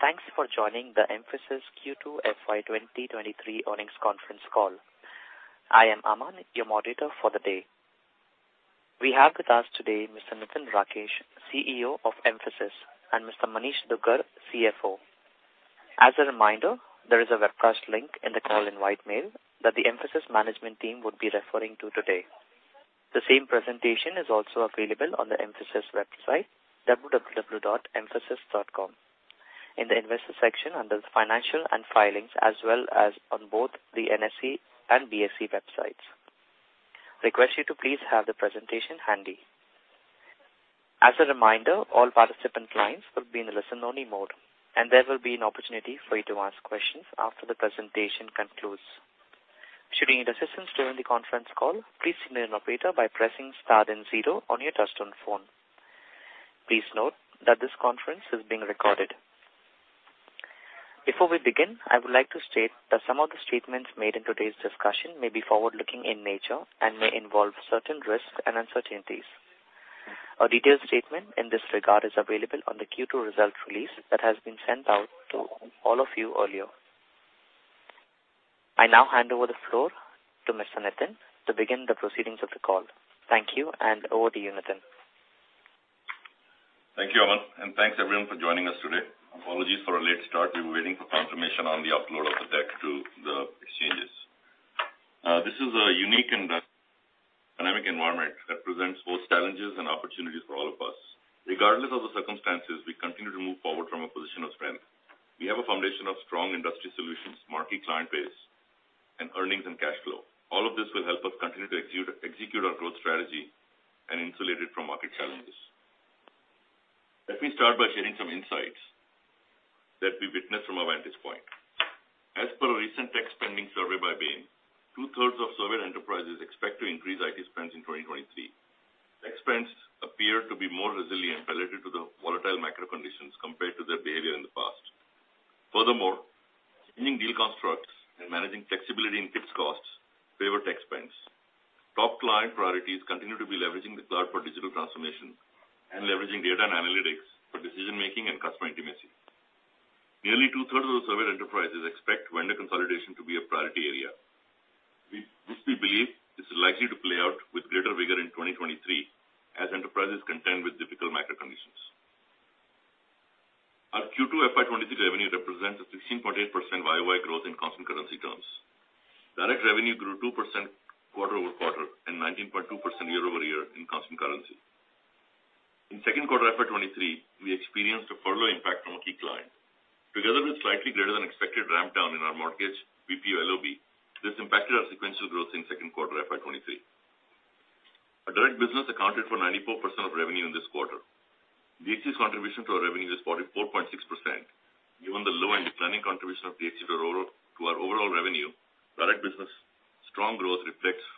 Thanks for joining the Mphasis Q2 FY 2023 Earnings Conference Call. I am Aman, your moderator for the day. We have with us today Mr. Nitin Rakesh, CEO of Mphasis, and Mr. Manish Dugar, CFO. As a reminder, there is a webcast link in the call invite mail that the Mphasis management team would be referring to today. The same presentation is also available on the Mphasis website www.mphasis.com in the investor section under the Financials and Filings as well as on both the NSE and BSE websites. Request you to please have the presentation handy. As a reminder, all participant lines will be in a listen-only mode, and there will be an opportunity for you to ask questions after the presentation concludes. Should you need assistance during the conference call, please signal an operator by pressing star then zero on your touchtone phone. Please note that this conference is being recorded. Before we begin, I would like to state that some of the statements made in today's discussion may be forward-looking in nature and may involve certain risks and uncertainties. A detailed statement in this regard is available on the Q2 results release that has been sent out to all of you earlier. I now hand over the floor to Mr. Nitin Rakesh to begin the proceedings of the call. Thank you, and over to you, Nitin Rakesh. Thank you, Aman, and thanks everyone for joining us today. Apologies for a late start. We were waiting for confirmation on the upload of the deck to the exchanges. This is a unique and dynamic environment that presents both challenges and opportunities for all of us. Regardless of the circumstances, we continue to move forward from a position of strength. We have a foundation of strong industry solutions, marquee client base, and earnings and cash flow. All of this will help us continue to execute our growth strategy and insulate it from market challenges. Let me start by sharing some insights that we witness from a vendor's point. As per a recent tech spending survey by Bain, 2/3s of surveyed enterprises expect to increase IT spends in 2023. Tech spends appear to be more resilient relative to the volatile macro conditions compared to their behavior in the past. Furthermore, changing deal constructs and managing flexibility in fixed costs favor tech spends. Top line priorities continue to be leveraging the cloud for digital transformation and leveraging data and analytics for decision-making and customer intimacy. Nearly 2/3s of the surveyed enterprises expect vendor consolidation to be a priority area. Which we believe is likely to play out with greater vigor in 2023 as enterprises contend with difficult macro conditions. Our Q2 FY 2023 revenue represents a 16.8% YoY growth in constant currency terms. Direct revenue grew 2% quarter-over-quarter and 19.2% year-over-year in constant currency. In second quarter FY 2023, we experienced a further impact from a key client. Together with slightly greater than expected ramp-down in our mortgage BPO LOB, this impacted our sequential growth in second quarter FY 2023. Our direct business accounted for 94% of revenue in this quarter. DXC's contribution to our revenue is 44.6%. Given the low and declining contribution of DXC to our overall revenue, direct business strong growth reflects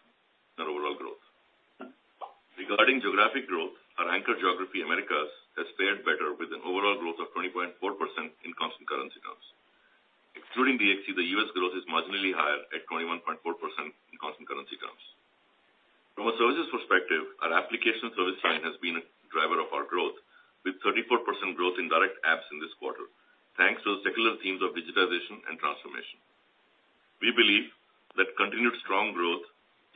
our overall growth. Regarding geographic growth, our anchor geography, Americas, has fared better with an overall growth of 20.4% in constant currency terms. Excluding DXC, the U.S. growth is marginally higher at 21.4% in constant currency terms. From a services perspective, our application service line has been a driver of our growth with 34% growth in direct apps in this quarter, thanks to the secular themes of digitalization and transformation. We believe that continued strong growth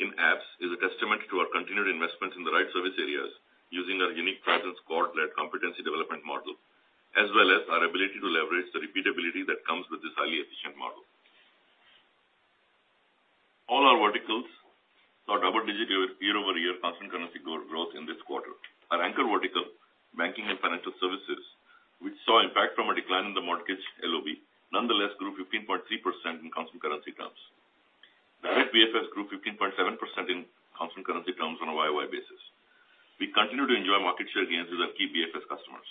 in apps is a testament to our continued investments in the right service areas using our unique presence, core-led competency development model, as well as our ability to leverage the repeatability that comes with this highly efficient model. All our verticals saw double-digit year-over-year constant currency growth in this quarter. Our anchor vertical, banking and financial services, which saw impact from a decline in the mortgage LOB, nonetheless grew 15.3% in constant currency terms. Direct BFS grew 15.7% in constant currency terms on a YoY basis. We continue to enjoy market share gains with our key BFS customers.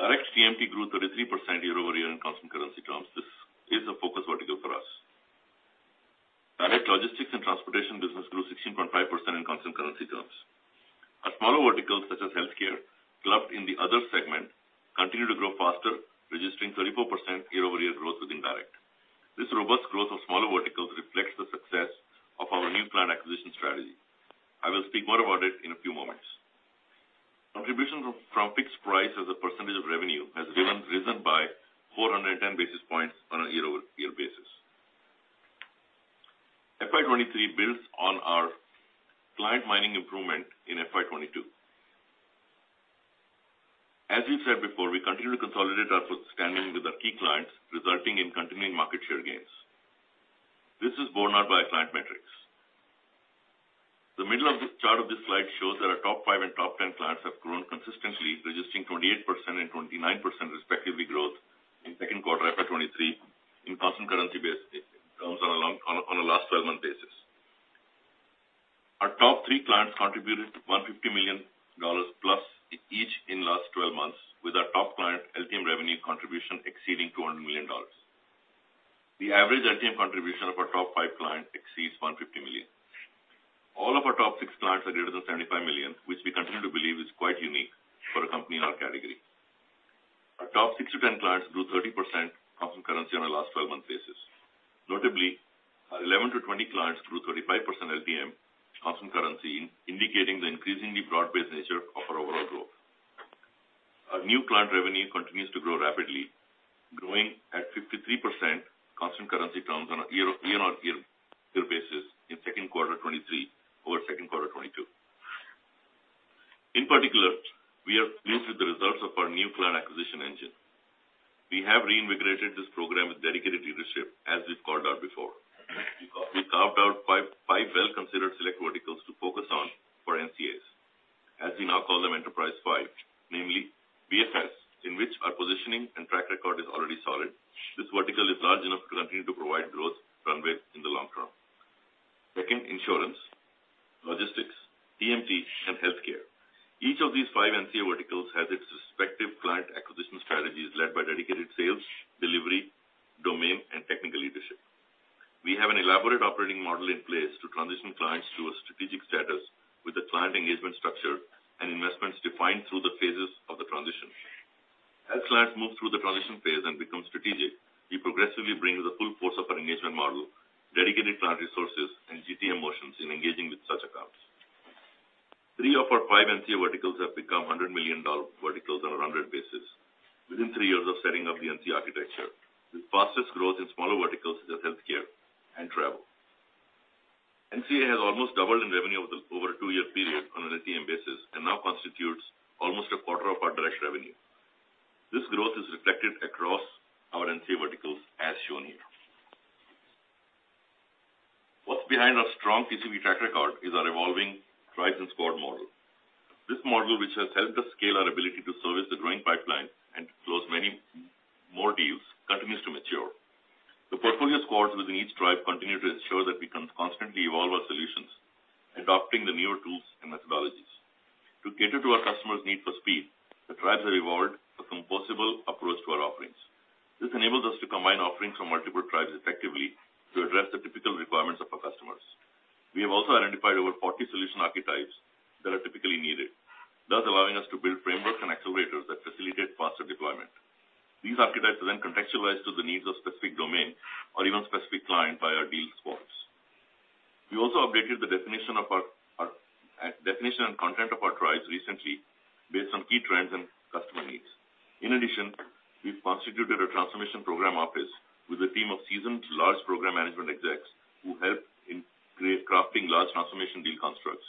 Direct GMP grew 33% year-over-year in constant currency terms. This is a focus vertical for us. Direct logistics and transportation business grew 16.5% in constant currency terms. Our smaller verticals such as healthcare, clubbed in the other segment, continue to grow faster, registering 34% year-over-year growth with indirect. This robust growth of smaller verticals reflects the success of our new client acquisition strategy. I will speak more about it in a few moments. Contribution from fixed price as a percentage of revenue has risen by 410 basis points on a year-over-year basis. FY 2023 builds on our client mining improvement in FY 2022. We said before, we continue to consolidate our standing with our key clients, resulting in continuing market share gains. This is borne out by client metrics. The middle of this chart of this slide shows that our top five and top 10 clients have grown consistently, registering 28% and 29% respectively growth in second quarter FY 2023 in constant currency base terms on a last 12-month basis. Our top three clients contributed $150 million plus each in last 12 months with our top client LTM revenue contribution exceeding $200 million. The average LTM contribution of our top five clients exceeds $150 million. All of our top six clients are greater than $75 million, which we continue to believe is quite unique for a company in our category. Our top six to 10 clients grew 30% constant currency on a last 12-month basis. Notably, our 11 to 20 clients grew 35% LTM constant currency, indicating the increasingly broad-based nature of our overall growth. Our new client revenue continues to grow rapidly, growing at 53% constant currency terms on a year-on-year basis in second quarter 2023 over second quarter 2022. In particular, we have released the results of our new client acquisition engine. We have reinvigorated this program with dedicated leadership as we've called out before. We carved out five well-considered select verticals to focus on for NCAs, as we now call them Enterprise Five. Namely BFS, in which our positioning and track record is already solid. This vertical is large enough to continue to provide growth runway in the long-term. Second, insurance, logistics, TMT, and healthcare. Each of these five NCA verticals has its respective client acquisition strategies led by dedicated sales, delivery, domain, and technical leadership. We have an elaborate operating model in place to transition clients to a strategic status with the client engagement structure and investments defined through the phases of the transition. As clients move through the transition phase and become strategic, we progressively bring the full force of our engagement model, dedicated client resources, and GTM motions in engaging with such accounts. Three of our five NCA verticals have become $100 million verticals on a run-rate basis within three years of setting up the NCA architecture. The fastest growth in smaller verticals is in healthcare and travel. NCA has almost doubled in revenue over a two-year period on an LTM basis and now constitutes almost a quarter of our direct revenue. This growth is reflected across our NCA verticals as shown here. What's behind our strong TCV track record is our evolving tribe and squad model. This model, which has helped us scale our ability to service the growing pipeline and close many more deals, continues to mature. The portfolio squads within each tribe continue to ensure that we constantly evolve our solutions, adopting the newer tools and methodologies. To cater to our customers' need for speed, the tribes have evolved a composable approach to our offerings. This enables us to combine offerings from multiple tribes effectively to address the typical requirements of our customers. We have also identified over 40 solution archetypes that are typically needed, thus allowing us to build frameworks and accelerators that facilitate faster deployment. These archetypes are then contextualized to the needs of specific domain or even specific client by our deal squads. We also updated the definition and content of our tribes recently based on key trends and customer needs. We've constituted a transformation program office with a team of seasoned large program management execs who help in crafting large transformation deal constructs,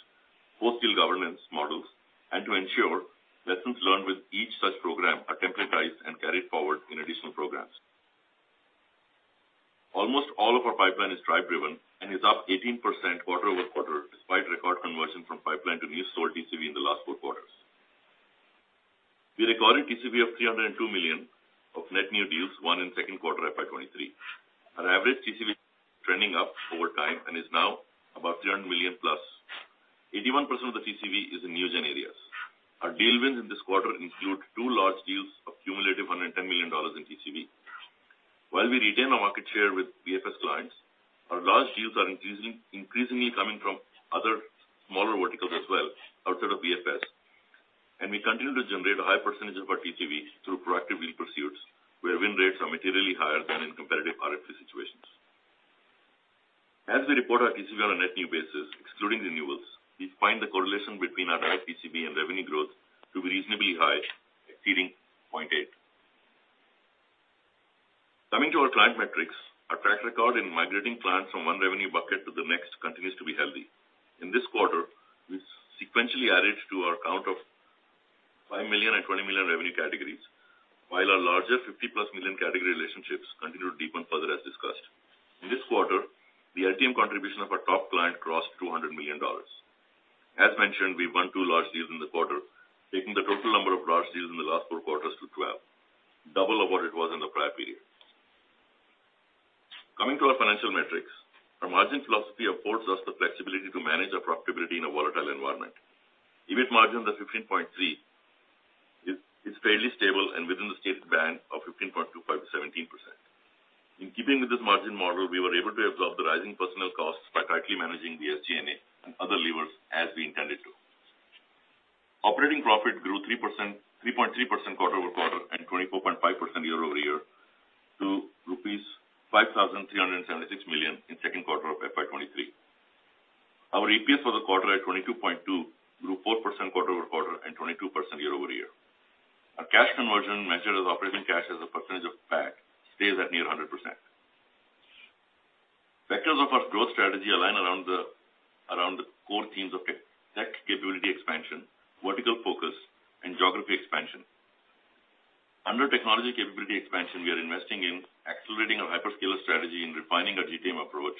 post-deal governance models, and to ensure lessons learned with each such program are templatized and carried forward in additional programs. Almost all of our pipeline is tribe-driven and is up 18% quarter-over-quarter despite record conversion from pipeline to new sold TCV in the last four quarters. We recorded TCV of $302 million of net new deals won in second quarter FY 2023. Our average TCV trending up over time and is now about $300 million-plus. 81% of the TCV is in new gen areas. Our deal wins in this quarter include two large deals of cumulative $110 million in TCV. While we retain our market share with BFS clients, our large deals are increasing, increasingly coming from other smaller verticals as well outside of BFS. We continue to generate a high percentage of our TCV through proactive deal pursuits, where win rates are materially higher than in competitive RFP situations. As we report our TCV on a net new basis, excluding renewals, we find the correlation between our direct TCV and revenue growth to be reasonably high, exceeding 0.8. Coming to our client metrics, our track record in migrating clients from one revenue bucket to the next continues to be healthy. In this quarter, we sequentially added to our count of $5 million and $20 million revenue categories, while our larger $50+ million category relationships continue to deepen further as discussed. In this quarter, the LTM contribution of our top client crossed $200 million. As mentioned, we won two large deals in the quarter, taking the total number of large deals in the last four quarters to 12, double of what it was in the prior period. Coming to our financial metrics, our margin philosophy affords us the flexibility to manage our profitability in a volatile environment. EBIT margin at 15.3% is fairly stable and within the stated band of 15.25%-17%. In keeping with this margin model, we were able to absorb the rising personnel costs by tightly managing the SG&A and other levers as we intended to. Operating profit grew 3.3% quarter-over-quarter and 24.5% year-over-year to INR 5,376 million in second quarter of FY 2023. Our EPS for the quarter at 22.2 grew 4% quarter-over-quarter and 22% year-over-year. Our cash conversion measured as operating cash as a percentage of PAT stays at near 100%. Vectors of our growth strategy align around the core themes of tech capability expansion, vertical focus, and geography expansion. Under technology capability expansion, we are investing in accelerating our hyperscaler strategy and refining our GTM approach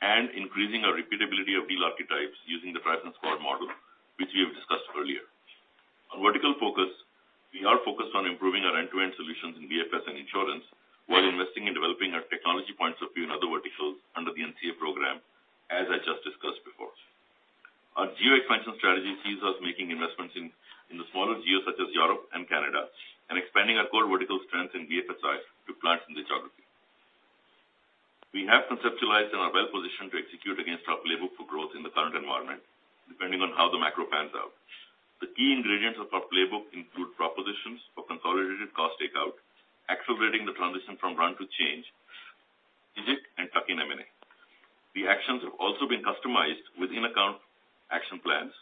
and increasing our repeatability of deal archetypes using the tribe and squad model, which we have discussed earlier. On vertical focus, we are focused on improving our end-to-end solutions in BFS and insurance while investing in developing our technology points of view in other verticals under the NCA program, as I just discussed before. Our geo expansion strategy sees us making investments in the smaller geos such as Europe and Canada and expanding our core vertical strength in BFSI to clients in the geography. We have conceptualized and are well-positioned to execute against our playbook for growth in the current environment, depending on how the macro pans out. The key ingredients of our playbook include propositions for consolidated cost takeout, accelerating the transition from run to change, digital, and tuck-in M&A. The actions have also been customized within account action plans,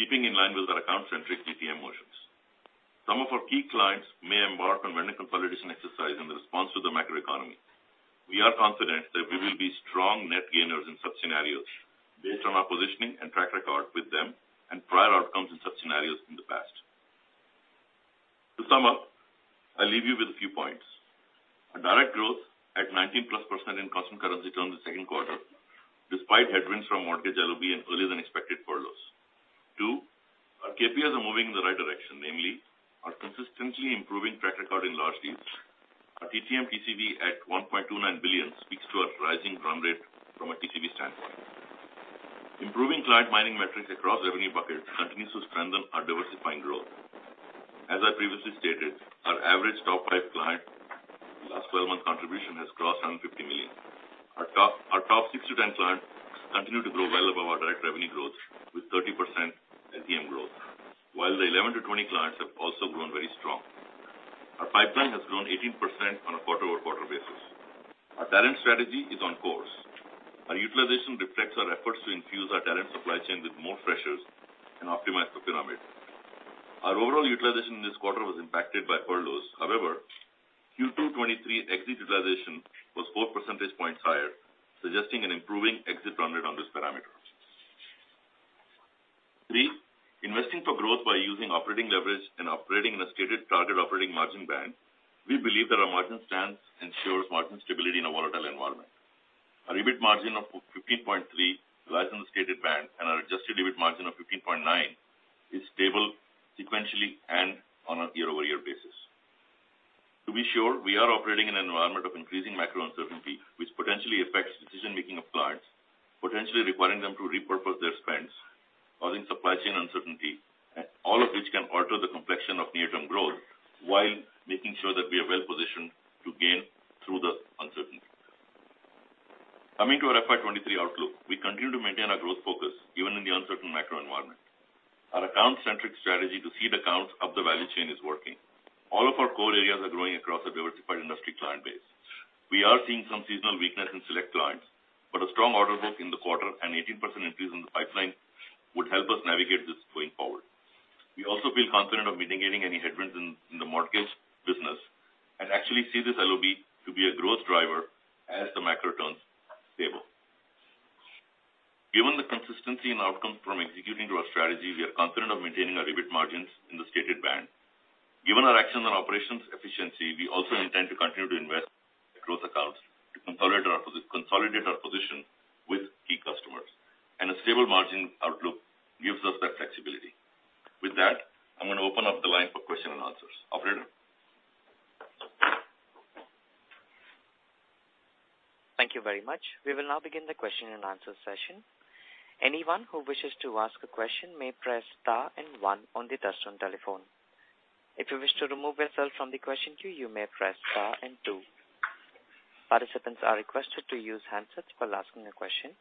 keeping in line with our account-centric TMT motions. Some of our key clients may embark on major consolidation exercises in response to the macroeconomy. We are confident that we will be strong net gainers in such scenarios based on our positioning and track record with them and prior outcomes in such scenarios in the past. To sum up, I'll leave you with a few points. One, direct growth at 19%+ in constant currency terms the second quarter, despite headwinds from mortgage LOB and earlier than expected furloughs. Two, our KPIs are moving in the right direction, namely our consistently improving track record in large deals. Our TTM TCV at $1.29 billion speaks to our rising run rate from a TCV standpoint. Improving client mining metrics across revenue buckets continues to strengthen our diversifying growth. As I previously stated, our average top five client last 12 month contribution has crossed $150 million. Our top six to 10 clients continue to grow well above our direct revenue growth with 30% LTM growth. While the 11 to 20 clients have also grown very strong. Our pipeline has grown 18% on a quarter-over-quarter basis. Our talent strategy is on course. Our utilization reflects our efforts to infuse our talent supply chain with more freshers and optimize for pyramid. Our overall utilization in this quarter was impacted by furloughs. However, Q2 2023 exit utilization was 4 percentage points higher, suggesting an improving exit run rate on this parameter. Three, investing for growth by using operating leverage and operating in a stated target operating margin band, we believe that our margin stance ensures margin stability in a volatile environment. Our EBIT margin of 15.3% lies in the stated band, and our adjusted EBIT margin of 15.9% is stable sequentially and on a year-over-year basis. To be sure, we are operating in an environment of increasing macro uncertainty, which potentially affects decision-making of clients, potentially requiring them to repurpose their spends, causing supply chain uncertainty, and all of which can alter the complexion of near-term growth while making sure that we are well positioned to gain through the uncertainty. Coming to our FY 2023 outlook, we continue to maintain our growth focus even in the uncertain macro environment. Our account-centric strategy to seed accounts up the value chain is working. All of our core areas are growing across a diversified industry client base. We are seeing some seasonal weakness in select clients, but a strong order book in the quarter and 18% increase in the pipeline would help us navigate this going forward. We also feel confident of mitigating any headwinds in the mortgage business and actually see this LOB to be a growth driver as the macro turns stable. Given the consistency in outcomes from executing to our strategy, we are confident of maintaining our EBIT margins in the stated band. Given our actions on operations efficiency, we also intend to continue to invest in growth accounts to consolidate our position with key customers, and a stable margin outlook gives us that flexibility. With that, I'm gonna open up the line for questions and answers. Operator? Thank you very much. We will now begin the question and answer session. Anyone who wishes to ask a question may press star and one on the touchtone telephone. If you wish to remove yourself from the question queue, you may press star and two. Participants are requested to use handsets while asking a question.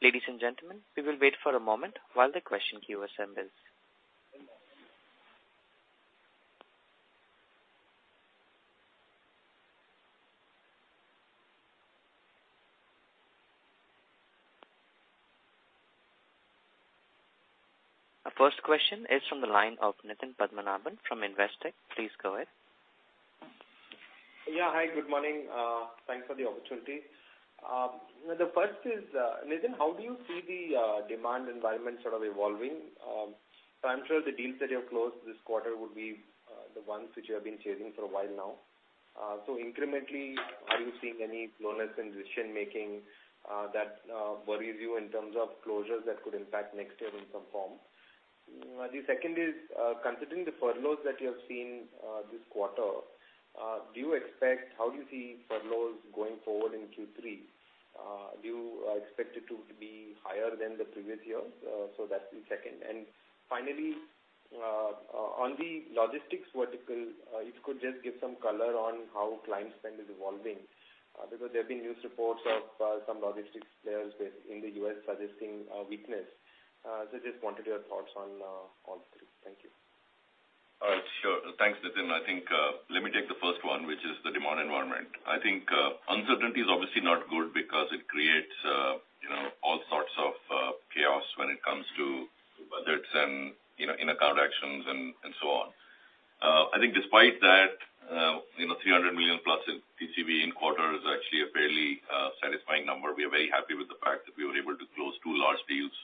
Ladies and gentlemen, we will wait for a moment while the question queue assembles. Our first question is from the line of Nitin Padmanabhan from Investec. Please go ahead. Yeah. Hi, good morning. Thanks for the opportunity. The first is, Nitin, how do you see the demand environment sort of evolving? I'm sure the deals that you have closed this quarter would be the ones which you have been chasing for a while now. Incrementally, are you seeing any slowness in decision-making that worries you in terms of closures that could impact next year in some form? The second is, considering the furloughs that you have seen this quarter, how do you see furloughs going forward in Q3? Do you expect it to be higher than the previous years? That's the second. Finally, on the logistics vertical, if you could just give some color on how client spend is evolving, because there have been news reports of some logistics players in the U.S. suggesting a weakness. So just wanted your thoughts on all three. Thank you. Sure. Thanks, Nitin. I think, let me take the first one, which is the demand environment. I think, uncertainty is obviously not good because it creates, you know, all sorts of chaos when it comes to budgets and, you know, in-account actions and so on. I think despite that, you know, $300 million+ in TCV in quarter is actually a fairly satisfying number. We are very happy with the fact that we were able to close two large deals,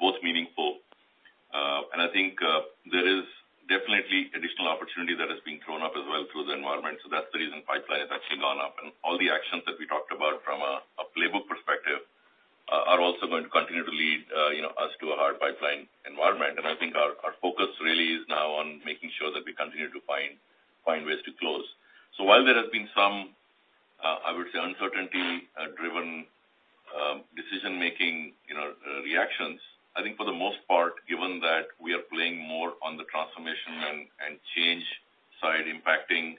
both meaningful. I think, there is definitely additional opportunity that is being thrown up as well through the environment. So that's the reason pipeline has actually gone up. All the actions that we talked about from a playbook perspective are also going to continue to lead, you know, us to a hard pipeline environment. I think our focus really is now on making sure that we continue to find ways to close. While there has been some I would say uncertainty driven decision-making you know reactions, I think for the most part, given that we are playing more on the transformation and change side impacting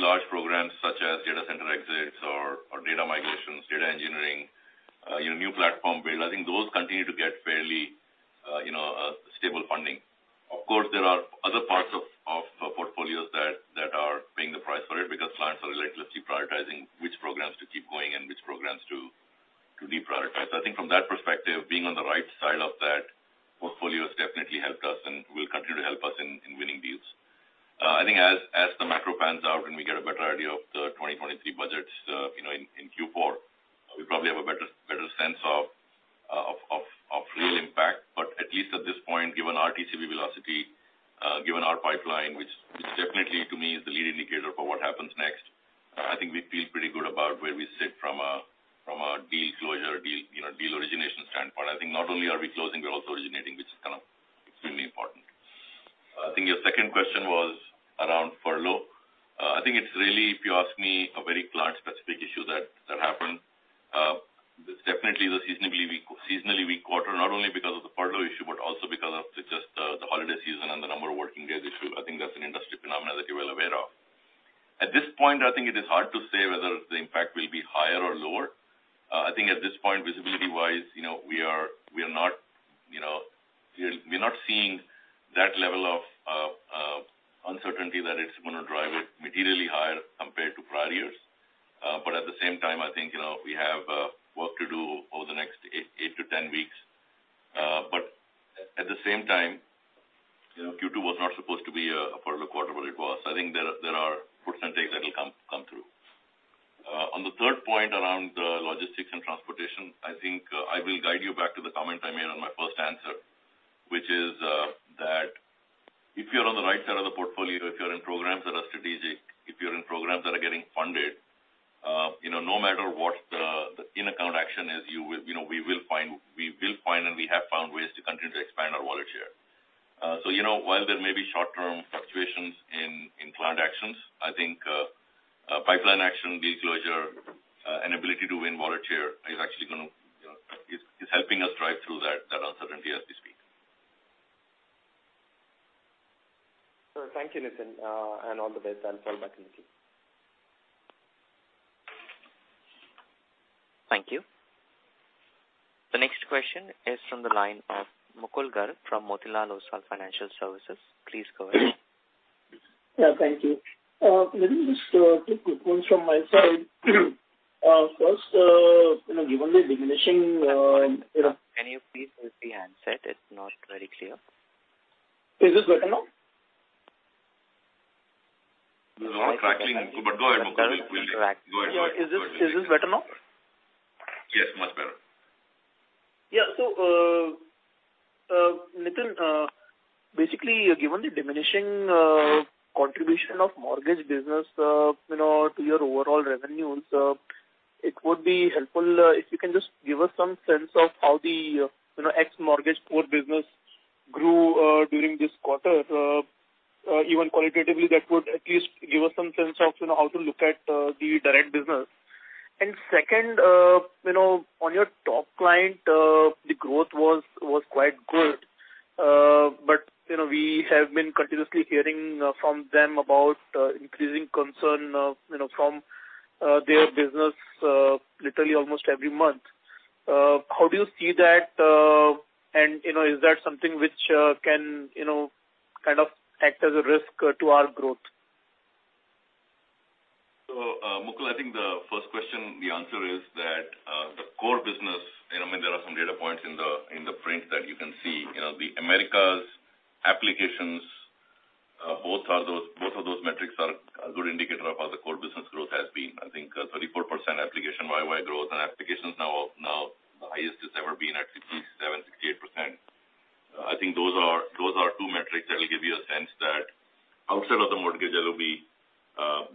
large programs such as data center exits or data migrations, data engineering you know new platform build. I think those continue to get fairly you know stable funding. Of course, there are other parts of portfolios that are paying the price for it because clients are reluctantly prioritizing which programs to keep going and which programs to deprioritize. I think from that perspective, being on the right side of that portfolio has definitely helped us and will continue to help us in winning deals. I think as the macro pans out and we get a better idea of the 2023 budgets, you know, in Q4, we probably have a better sense of real impact. But at least at this point, given our TCV velocity, given our pipeline, which is definitely to me is the lead indicator for what happens next, I think we feel pretty good about where we sit from a deal closure, you know, deal origination standpoint. I think not only are we closing, we're also originating, which is kind of extremely important. I think your second question was around furlough. I think it's really, if you ask me, a very client-specific issue that happened. This definitely is a seasonally weak quarter, not only because of the furlough issue, but also because of just the holiday season and the number of working days issue. I think that's an industry phenomenon that you're well aware of. At this point, I think it is hard to say whether the impact will be higher or lower. I think at this point, visibility-wise, you know, we are not, you know, we're not seeing that level of uncertainty that it's gonna drive it materially higher compared to prior years. At the same time, I think, you know, we have work to do over the next eight to 10 weeks. At the same time, you know, Q2 was not supposed to be a furlough quarter, but it was. I think there are percentages that will come through. On the third point around logistics and transportation, I think I will guide you back to the comment I made on my first answer, which is that if you're on the right side of the portfolio, if you're in programs that are strategic, if you're in programs that are getting funded, you know, no matter what the in-account action is, you will. You know, we will find and we have found ways to continue to expand our wallet share. You know, while there may be short-term fluctuations in client actions, I think pipeline action, deal closure, and ability to win wallet share is actually gonna, you know, is helping us drive through that uncertainty as we speak. Sir, thank you, Nitin, and all the best. I'll fall back in the queue. Thank you. The next question is from the line of Mukul Garg from Motilal Oswal Financial Services. Please go ahead. Yeah, thank you. Let me just take quick ones from my side. First, you know, given the diminishing, you know- Can you please raise the handset? It's not very clear. Is this better now? There's a lot of crackling, but go ahead, Mukul. There's a lot of crackling. Is this better now? Yes, much better. Yeah. Nitin, basically, given the diminishing contribution of mortgage business, you know, to your overall revenues, it would be helpful if you can just give us some sense of how the, you know, ex mortgage core business grew during this quarter. Even qualitatively, that would at least give us some sense of, you know, how to look at the direct business. Second, you know, on your top client, the growth was quite good. You know, we have been continuously hearing from them about increasing concern, you know, from their business, literally almost every month. How do you see that? You know, is that something which can, you know, kind of act as a risk to our growth? Mukul, I think the first question, the answer is that, the core business, and I mean, there are some data points in the print that you can see. You know, the Americas applications, both of those metrics are a good indicator of how the core business growth has been. I think, 34% application YoY growth and applications now the highest it's ever been at 67%-68%. I think those are two metrics that will give you a sense that outside of the mortgage LOB,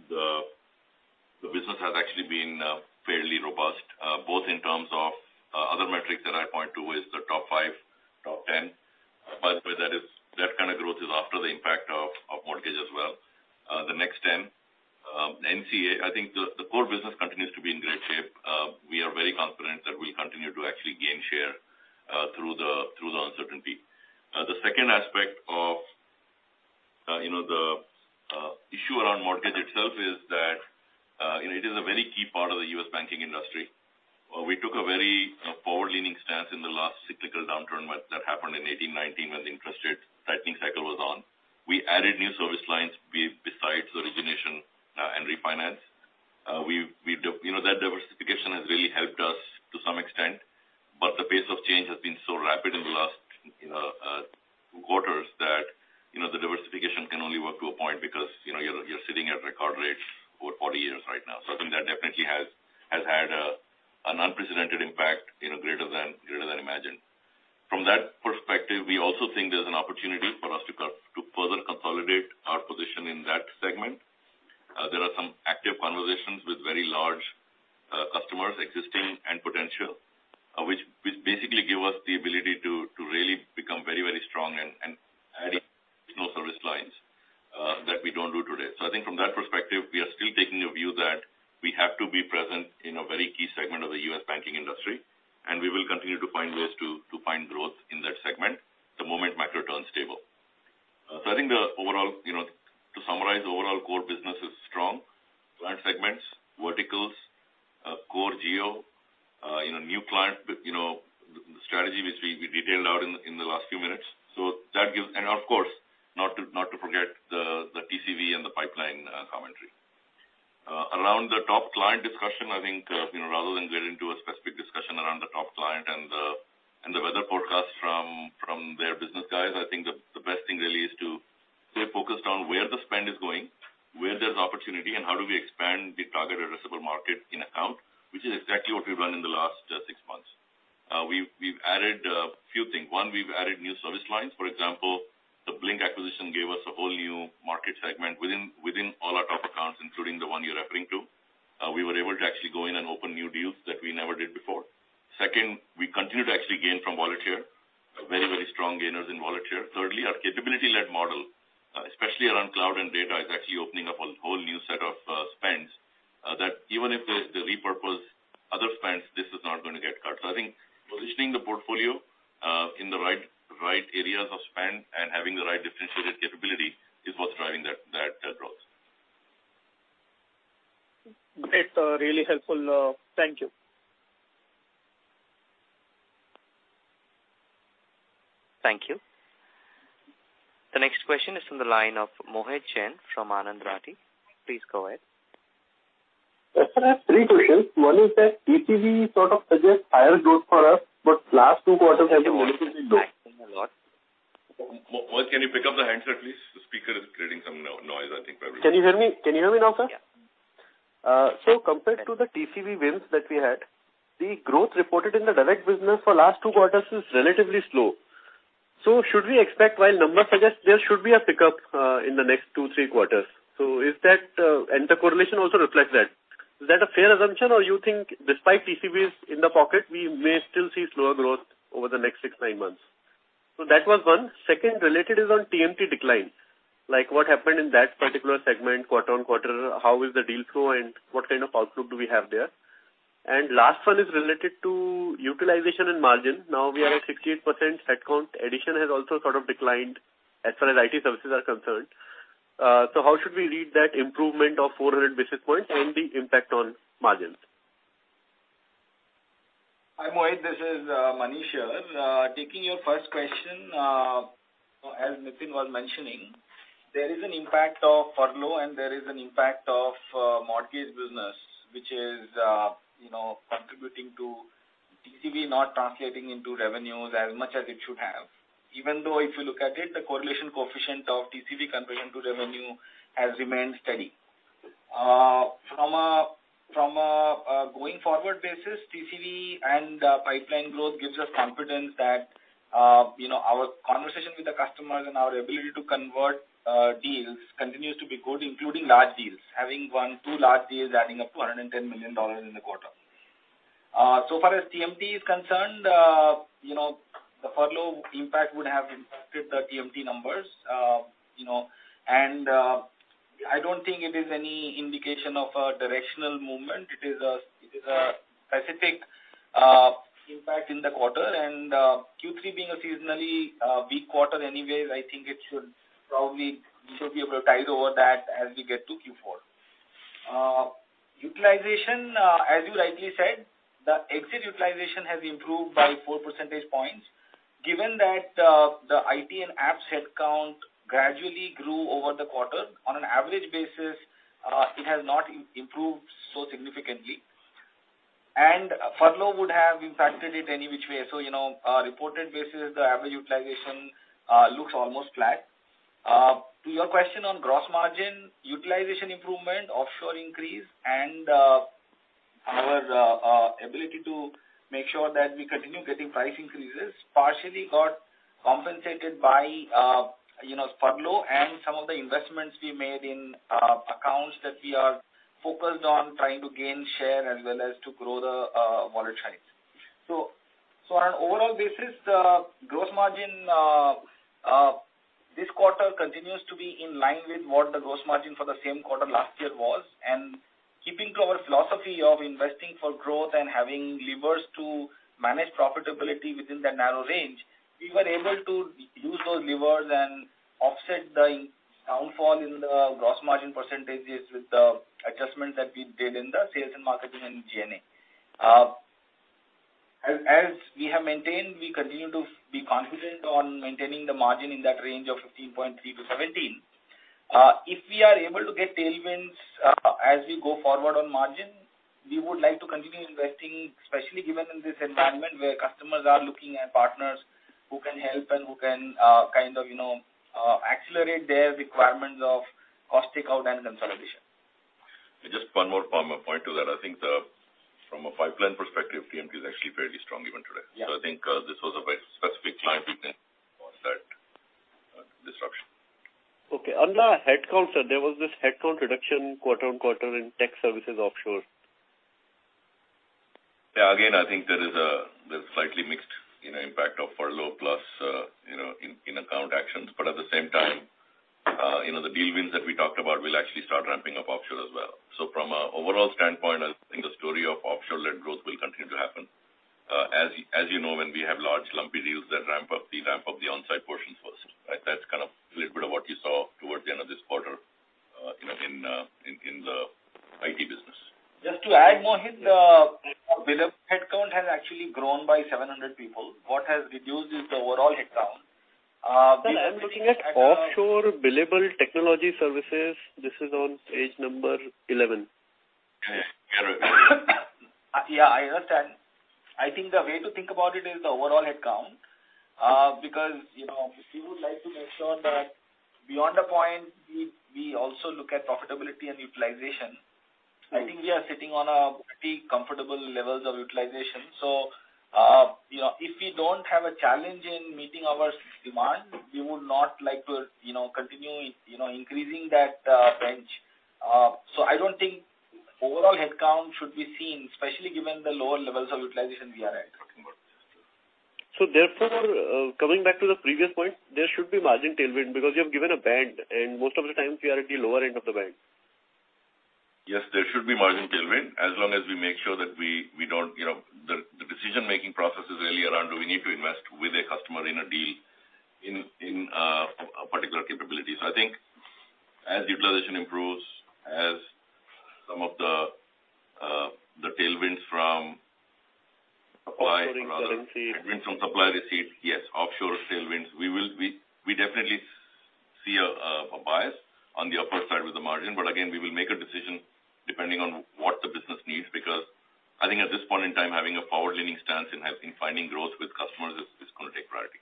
the business has actually been fairly robust, both in terms of, other metrics that I point to is the top five, top 10. By the way, that kind of growth is after the impact of mortgage as well. The next 10, NCA, I think the core business continues to be in great shape. We are very confident that we'll continue to actually gain share through the uncertainty. The second aspect of you know the issue around mortgage itself is that you know it is a very key especially around cloud and data, is actually opening up a whole new set of spends, that even if there's repurposing of other spends, this is not gonna get cut. I think positioning the portfolio in the right areas of spend and having the right differentiated capability is what's driving that growth. Great. Really helpful. Thank you. Thank you. The next question is from the line of Mohit Jain from Anand Rathi. Please go ahead. Yes, sir. I have three questions. One is that TCV sort of suggests higher growth for us, but last two quarters have been relatively low. Mohit, can you pick up the handset, please? The speaker is creating some noise, I think, for everyone. Can you hear me? Can you hear me now, sir? Yeah. Compared to the TCV wins that we had, the growth reported in the direct business for last two quarters is relatively slow. Should we expect, while numbers suggest there should be a pickup in the next two, three quarters? Is that. The correlation also reflects that. Is that a fair assumption or you think despite TCVs in the pocket we may still see slower growth over the next six, nine months? That was one. Second related is on TMT declines. Like what happened in that particular segment quarter-on-quarter, how is the deal flow and what kind of outlook do we have there? Last one is related to utilization and margin. Now we are at 68% headcount. Addition has also sort of declined as far as IT services are concerned. How should we read that improvement of 400 basis points and the impact on margins? Hi, Mohit, this is Manish here. Taking your first question, as Nitin was mentioning, there is an impact of furlough and there is an impact of mortgage business which is, you know, contributing to TCV not translating into revenues as much as it should have. Even though if you look at it, the correlation coefficient of TCV conversion to revenue has remained steady. From a going forward basis, TCV and pipeline growth gives us confidence that, you know, our conversation with the customers and our ability to convert deals continues to be good including large deals, having won two large deals adding up to $110 million in the quarter. So far as TMT is concerned, you know, the furlough impact would have impacted the TMT numbers. You know, I don't think it is any indication of a directional movement. It is a specific impact in the quarter. Q3 being a seasonally weak quarter anyways, I think it should probably. We should be able to tide over that as we get to Q4. Utilization, as you rightly said, the exit utilization has improved by 4 percentage points. Given that, the IT and apps headcount gradually grew over the quarter, on an average basis, it has not improved so significantly. Furlough would have impacted it any which way. You know, reported basis, the average utilization looks almost flat. To your question on gross margin, utilization improvement, offshore increase and our ability to make sure that we continue getting price increases partially got compensated by you know, furlough and some of the investments we made in accounts that we are focused on trying to gain share as well as to grow the volume trends. On an overall basis, the gross margin this quarter continues to be in line with what the gross margin for the same quarter last year was. Keeping to our philosophy of investing for growth and having levers to manage profitability within that narrow range, we were able to use those levers and offset the downfall in the gross margin percentages with the adjustment that we did in the sales and marketing and G&A. As we have maintained, we continue to be confident on maintaining the margin in that range of 15.3%-17%. If we are able to get tailwinds, as we go forward on margin, we would like to continue investing, especially given in this environment where customers are looking at partners who can help and who can, kind of, you know, accelerate their requirements of cost takeout and consolidation. Just one more point to that. I think, from a pipeline perspective, TMT is actually fairly strong even today. Yeah. I think this was a very specific client we've been on that disruption. Okay. Under headcount, sir, there was this headcount reduction quarter-over-quarter in tech services offshore. Yeah. Again, I think there's slightly mixed, you know, impact of furlough plus in-account actions. At the same time, you know, the deal wins that we talked about will actually start ramping up offshore as well. From an overall standpoint, I think the story of offshore-led growth will continue to happen. As you know, when we have large lumpy deals that ramp-up, they ramp-up the on-site portions first, right? That's kind of a little bit of what you saw towards the end of this quarter, you know, in the IT business. Just to add, Mohit, billable headcount has actually grown by 700 people. What has reduced is the overall headcount. Sir, I'm looking at offshore billable technology services. This is on page 11. Yeah, I understand. I think the way to think about it is the overall headcount, because, you know, we would like to make sure that beyond a point, we also look at profitability and utilization. I think we are sitting on a pretty comfortable levels of utilization. You know, if we don't have a challenge in meeting our demand, we would not like to, you know, continue, you know, increasing that, bench. I don't think overall headcount should be seen, especially given the lower levels of utilization we are at. Coming back to the previous point, there should be margin tailwind because you have given a band, and most of the time we are at the lower end of the band. Yes, there should be margin tailwind as long as we make sure that we don't, you know. The decision-making process is really around do we need to invest with a customer in a deal in a particular capability. So I think as utilization improves, as some of the tailwinds from supply. Offshoring tailwind. Tailwinds from supply chain. Yes, offshoring tailwinds. We definitely see a bias on the upper side with the margin. Again, we will make a decision depending on what the business needs, because I think at this point in time, having a forward-leaning stance in helping finding growth with customers is gonna take priority.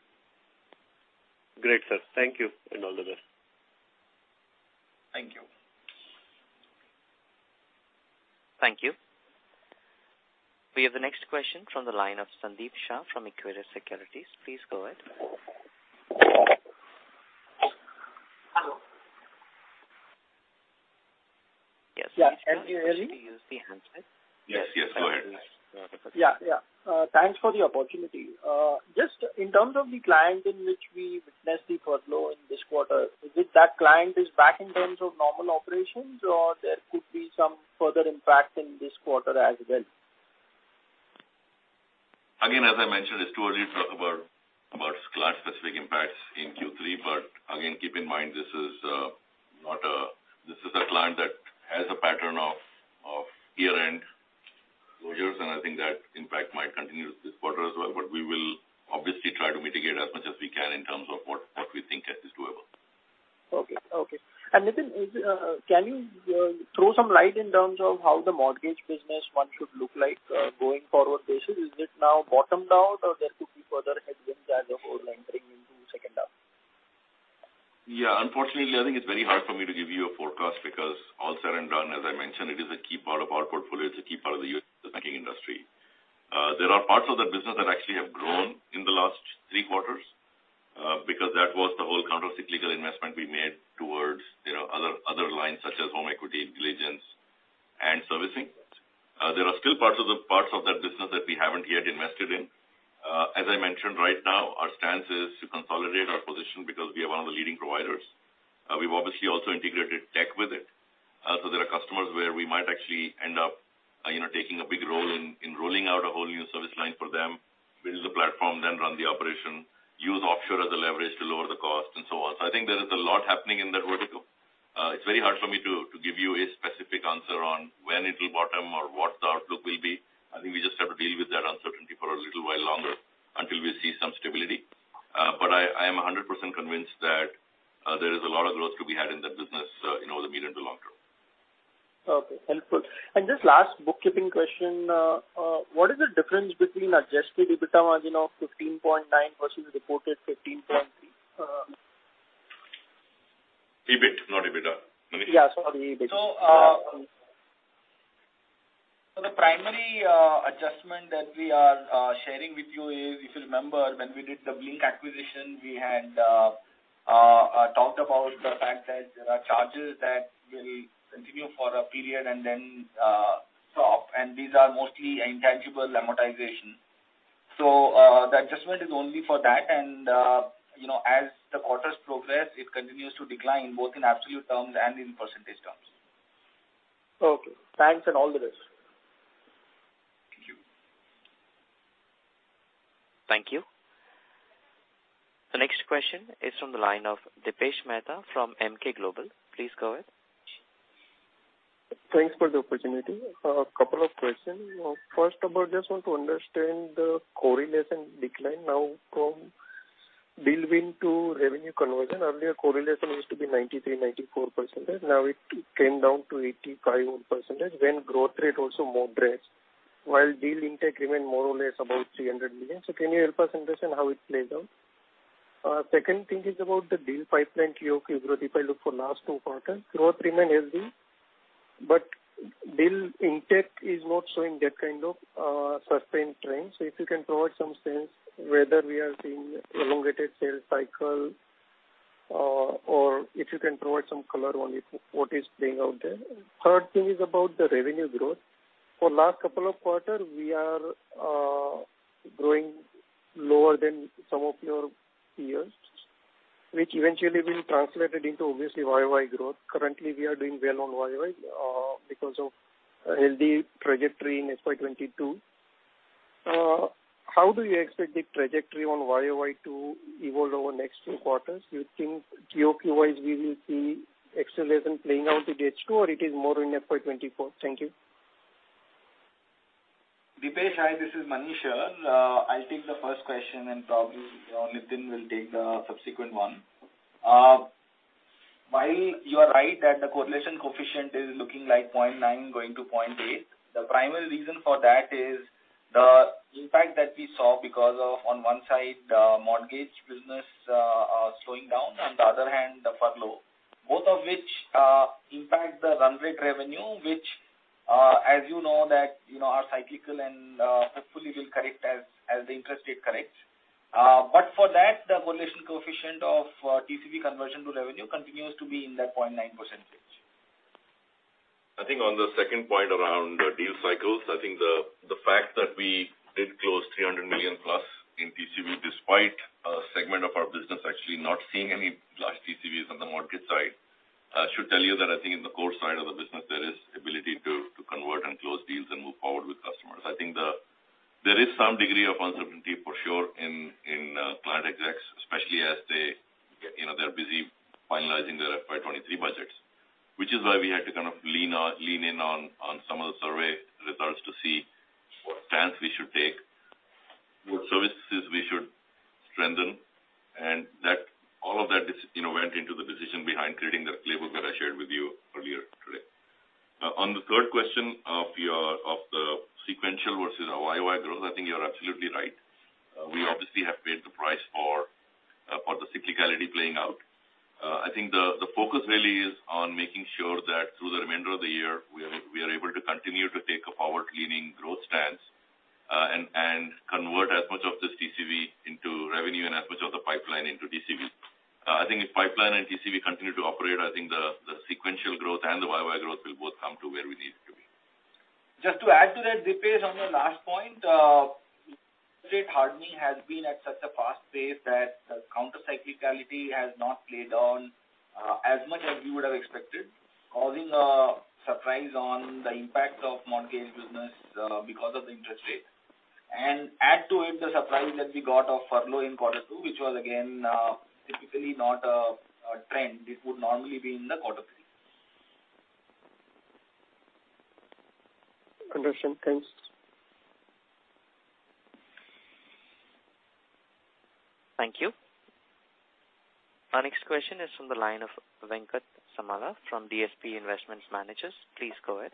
Great, sir. Thank you, and all the best. Thank you. Thank you. We have the next question from the line of Sandeep Shah from Equirus Securities. Please go ahead. Hello. Yes. Yeah. Can you hear me? Please use the handset. Yes. Yes, go ahead. Yeah. Yeah. Thanks for the opportunity. Just in terms of the client in which we witnessed the furlough in this quarter, is it that client is back in terms of normal operations, or there could be some further impact in this quarter as well? Again, as I mentioned, it's too early to talk about client-specific impacts in Q3. Again, keep in mind this is a client that has a pattern of year-end closures, and I think that impact might continue this quarter as well. We will obviously try to mitigate as much as we can in terms of what we think is doable. Okay. Nitin, can you throw some light in terms of how the mortgage business one should look like, going forward basis? Is it now bottomed out or there could be further headwinds as the whole entering into second half? Yeah. Unfortunately, I think it's very hard for me to give you a forecast because all said and done, as I mentioned, it is a key part of our portfolio. It's a key part of the U.S. banking industry. There are parts of the business that actually have grown in the last three quarters, because that was the whole countercyclical investment we made towards, you know, other lines such as home equity, diligence and servicing. There are still parts of that business that we haven't yet invested in. As I mentioned, right now our stance is to consolidate our position because we are one of the leading providers. We've obviously also integrated tech with it. There are customers where we might actually end up, you know, taking a big role in rolling out a whole new service line for them, build the platform, then run the operation, use offshore as a leverage to lower the cost and so on. I think there is a lot happening in that vertical. It's very hard for me to give you a specific answer on when it will bottom or what the outlook will be. I think we just have to deal with that uncertainty for a little while longer until we see some stability. I am 100% convinced that there is a lot of growth to be had in that business, you know, in the medium to long-term. Okay. Helpful. Just last bookkeeping question. What is the difference between adjusted EBITDA margin of 15.9% versus reported 15.3%? EBIT, not EBITDA. Manish? Yeah. Sorry, EBIT. The primary adjustment that we are sharing with you is, if you remember when we did the Blink acquisition, we had talked about the fact that there are charges that will continue for a period and then stop. These are mostly intangible amortization. The adjustment is only for that. You know, as the quarters progress, it continues to decline both in absolute terms and in percentage terms. Okay. Thanks and all the best. Thank you. The next question is from the line of Dipesh Mehta from Emkay Global. Please go ahead. Thanks for the opportunity. A couple of questions. First of all, just want to understand the correlation decline now from deal win to revenue conversion. Earlier correlation used to be 93-94%. Now it came down to 85%. Then growth rate also moderate while deal intake remain more or less about $300 million. So can you help us understand how it plays out? Second thing is about the deal pipeline QoQ growth. If I look for last two quarters, growth remain healthy, but deal intake is not showing that kind of sustained trend. So if you can provide some sense whether we are seeing elongated sales cycle, or if you can provide some color on it, what is playing out there. Third thing is about the revenue growth. For last couple of quarters, we are growing lower than some of your peers, which eventually will translate it into obviously YoY growth. Currently, we are doing well on YoY because of a healthy trajectory in FY 2022. How do you expect the trajectory on YoY to evolve over next two quarters? You think QoQ-wise we will see acceleration playing out in H2 or it is more in FY 2024? Thank you. Dipesh, hi, this is Manish here. I'll take the first question and probably, Nitin will take the subsequent one. While you are right that the correlation coefficient is looking like 0.9 to 0.8, the primary reason for that is the impact that we saw because of, on one side, the mortgage business slowing down, on the other hand, the furlough. Both of which impact the run rate revenue, which, as you know that, you know, are cyclical and hopefully will correct as the interest rate corrects. But for that, the correlation coefficient of TCV conversion to revenue continues to be in that 0.9%. I think on the second point around deal cycles, I think the fact that we did close $300 million+ in TCV despite a segment of our business actually not seeing any large TCVs on the mortgage side should tell you that I think in the core side of the business there is ability to convert and close deals and move forward with customers. I think there is some degree of uncertainty for sure in client execs, especially as they get, you know, they're busy finalizing their FY 2023 budgets. Which is why we had to kind of lean in on some of the survey results to see what stance we should take, what services we should strengthen. That all of that, you know, went into the decision behind creating the playbook that I shared with you earlier today. On the third question of yours on the sequential versus our YoY growth, I think you're absolutely right. We obviously have paid the price for the cyclicality playing out. I think the focus really is on making sure that through the remainder of the year we are able to continue to take a forward-leaning growth stance, and convert as much of this TCV into revenue and as much of the pipeline into TCV. I think if pipeline and TCV continue to operate, I think the sequential growth and the YoY growth will both come to where we need it to be. Just to add to that, Dipesh, on your last point, rate hardening has been at such a fast pace that the counter cyclicality has not played on, as much as you would have expected, causing a surprise on the impact of mortgage business, because of the interest rates. Add to it the surprise that we got of furlough in quarter two, which was again, typically not a trend. This would normally be in the quarter three. Understood. Thanks. Thank you. Our next question is from the line of Venkat Samala from DSP Investment Managers. Please go ahead.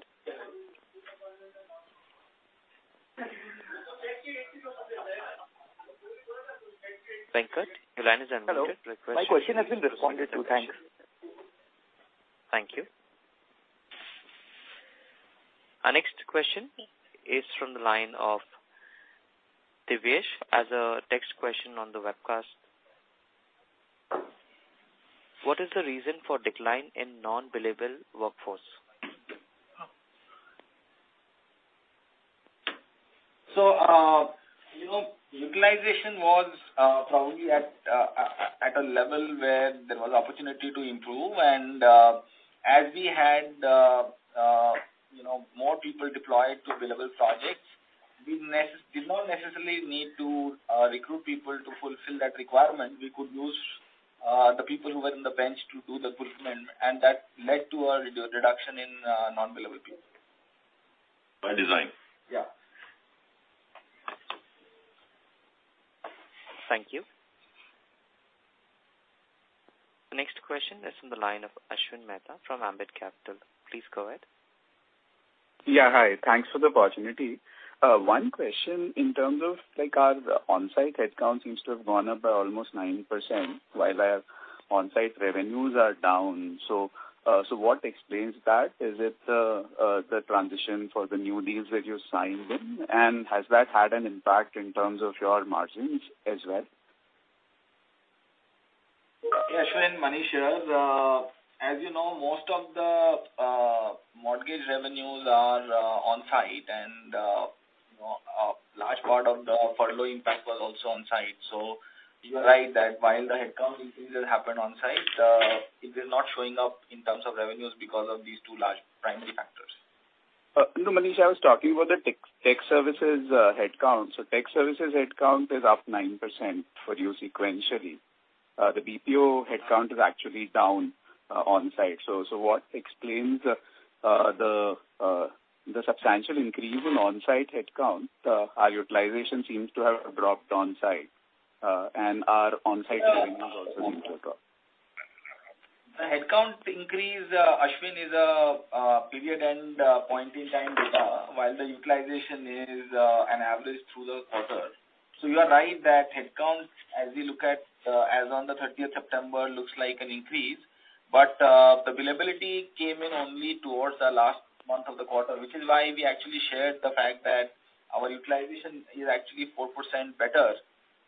Venkat, your line is unmuted. Hello. My question has been responded to. Thanks. Thank you. Our next question is from the line of Divyesh. As a text question on the webcast. What is the reason for decline in non-billable workforce? you know, utilization was probably at a level where there was opportunity to improve. As we had you know, more people deployed to billable projects, we did not necessarily need to recruit people to fulfill that requirement. We could use the people who were in the bench to do the fulfillment, and that led to a reduction in non-billable people. By design. Yeah. Thank you. The next question is from the line of Ashwin Mehta from Ambit Capital. Please go ahead. Yeah. Hi. Thanks for the opportunity. One question in terms of like our on-site headcount seems to have gone up by almost 9% while our on-site revenues are down. What explains that? Is it the transition for the new deals that you signed in? Has that had an impact in terms of your margins as well? Yeah, Ashwin. Manish here. As you know, most of the mortgage revenues are on-site and you know, a large part of the furlough impact was also on-site. You're right that while the headcount increases happen on-site, it is not showing up in terms of revenues because of these two large primary factors. No, Manish, I was talking about the tech services headcount. Tech services headcount is up 9% for you sequentially. The BPO headcount is actually down on-site. What explains the substantial increase in on-site headcount? Our utilization seems to have dropped on-site, and our on-site revenues also seem to have dropped. The headcount increase, Ashwin, is a period-end point-in-time data, while the utilization is an average through the quarter. You are right that headcount, as we look at as on the September 30th, looks like an increase, but the billability came in only towards the last month of the quarter, which is why we actually shared the fact that our utilization is actually 4% better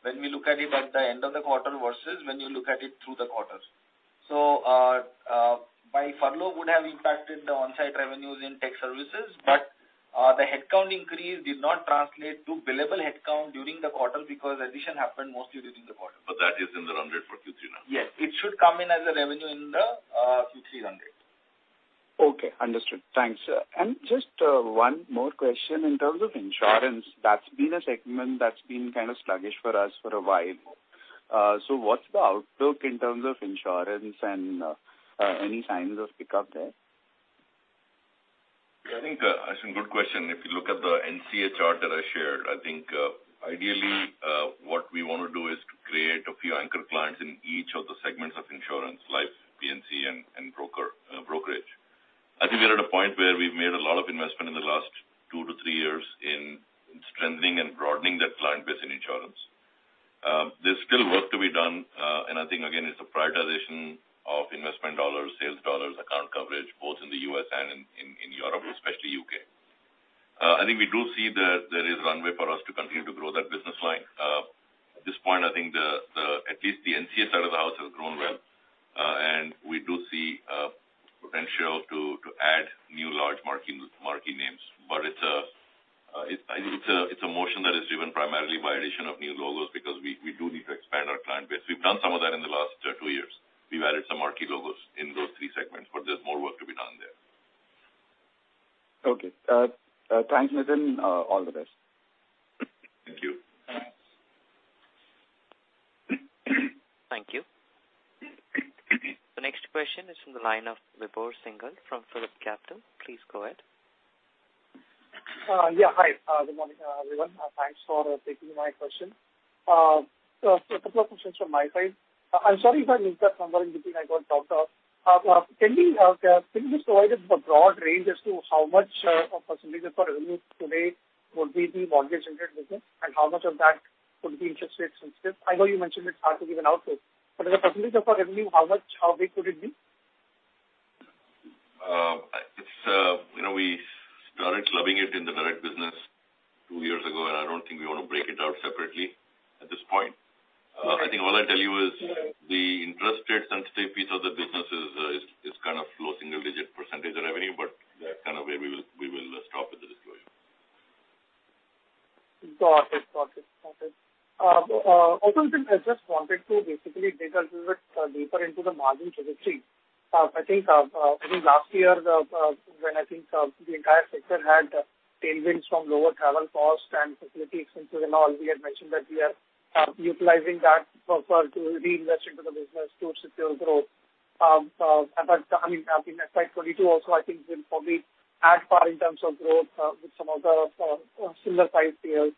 when we look at it at the end of the quarter versus when you look at it through the quarter. The furlough would have impacted the on-site revenues in tech services. The headcount increase did not translate to billable headcount during the quarter because addition happened mostly during the quarter. That is in the run rate for Q3 now. Yes. It should come in as a revenue in the Q3 run rate. Okay. Understood. Thanks. Just one more question in terms of insurance. That's been a segment that's been kind of sluggish for us for a while. What's the outlook in terms of insurance and any signs of pickup there? I think that's a good question. If you look at the NCA chart that I shared, I think ideally what we wanna do is to create a few anchor clients in each of the segments of insurance, life, P&C and brokerage. I think we are at a point where we've made a lot of investment in the last two to three years in strengthening and broadening that client base in insurance. There's still work to be done. I think again, it's a prioritization of investment dollars, sales dollars, account coverage, both in the U.S. and in Europe, especially U.K. I think we do see that there is runway for us to continue to grow that business line. At this point, I think at least the NCA side of the house has grown well. We do see potential to add new large marquee names. It's a motion that is driven primarily by addition of new logos because we do need to expand our client base. We've done some of that in the last two years. We've added some marquee logos in those three segments, but there's more work to be done there. Okay. Thanks, Nitin. All the best. Thank you. Thanks. Thank you. The next question is from the line of Vibhor Singhal from Phillip Capital. Please go ahead. Yeah. Hi. Good morning, everyone. Thanks for taking my question. A couple of questions from my side. I'm sorry if I missed that number in between. I got dropped off. Can you just provide us with a broad range as to how much of percentage of our revenue today would be the mortgage-related business and how much of that would be interest rate sensitive? I know you mentioned it's hard to give an outlook, but as a percentage of our revenue, how much, how big could it be? It's, you know, we started clubbing it in the direct business two years ago, and I don't think we want to break it out separately at this point. All right. I think all I'll tell you is the interest rate sensitive piece of the business is kind of low single-digit percentage of revenue, but that's kind of where we will stop with the disclosure. Got it. Also, Nitin, I just wanted to basically dig a little bit deeper into the margin trajectory. I think last year, when I think, the entire sector had tailwinds from lower travel costs and facility expenses and all, we had mentioned that we are utilizing that to reinvest into the business to secure growth. I mean, I think FY 2022 also I think we did lag far in terms of growth with some of the similar size peers.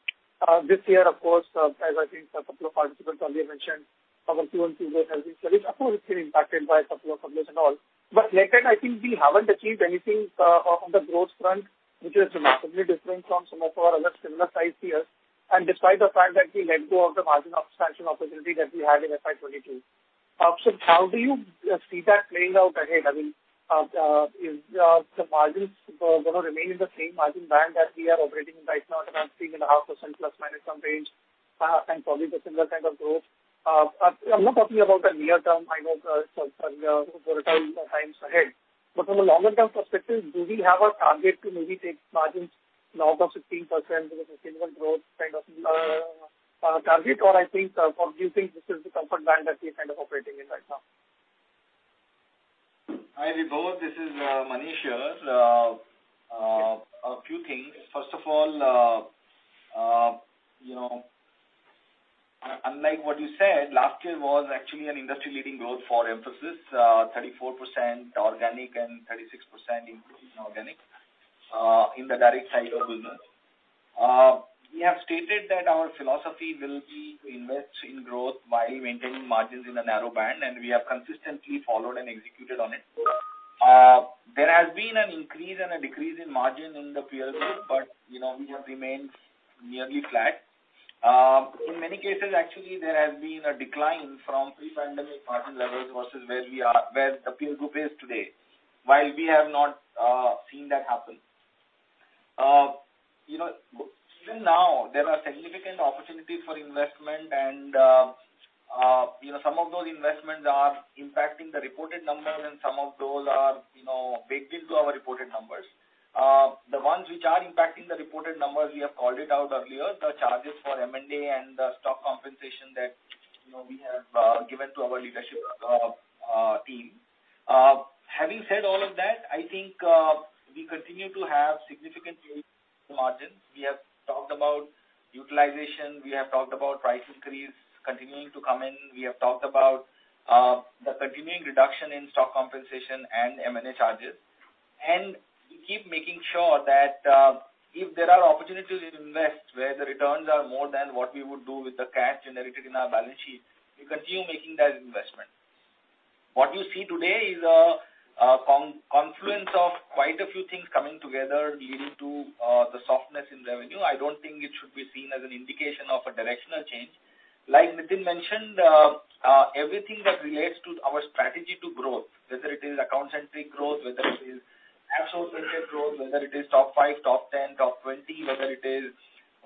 This year, of course, as I think a couple of participants earlier mentioned, our Q-on-Q growth has been steady. Of course, it's been impacted by couple of factors and all. Year-to-date I think we haven't achieved anything on the growth front, which is remarkably different from some of our other similar sized peers. Despite the fact that we let go of the margin expansion opportunity that we had in FY 2022. How do you see that playing out ahead? I mean, is the margins gonna remain in the same margin band that we are operating in right now at around 3.5% ± some range, and probably the similar kind of growth? I'm not talking about the near term. I know volatile times ahead. From a longer term perspective, do we have a target to maybe take margins north of 16% with a similar growth kind of target? I think, or do you think this is the comfort band that we're kind of operating in right now? Hi, Vibhor. This is Manish here. A few things. First of all, you know, unlike what you said, last year was actually an industry leading growth for Mphasis, 34% organic and 36% increase in organic in the direct side of the business. We have stated that our philosophy will be to invest in growth by maintaining margins in a narrow band, and we have consistently followed and executed on it. There has been an increase and a decrease in margin in the peer group, but you know, we have remained nearly flat. In many cases actually there has been a decline from pre-pandemic margin levels versus where the peer group is today. While we have not seen that happen. You know, even now there are significant opportunities for investment and, you know, some of those investments are impacting the reported numbers and some of those are, you know, baked into our reported numbers. The ones which are impacting the reported numbers, we have called it out earlier, the charges for M&A and the stock compensation that, you know, we have given to our leadership team. Having said all of that, I think we continue to have significant tailwinds to margins. We have talked about utilization. We have talked about price increase continuing to come in. We have talked about the continuing reduction in stock compensation and M&A charges. We keep making sure that if there are opportunities to invest where the returns are more than what we would do with the cash generated in our balance sheet, we continue making that investment. What you see today is a confluence of quite a few things coming together leading to the softness in revenue. I don't think it should be seen as an indication of a directional change. Like Nitin mentioned, everything that relates to our strategy to growth, whether it is account centric growth, whether it is absolute centric growth, whether it is top five, top 10, top 20, whether it is